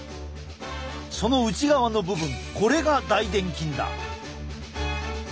その内側の部分これが大でん筋だ。